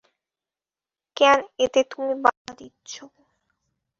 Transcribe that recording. কেন এতে তুমি বাধা দিচ্ছ?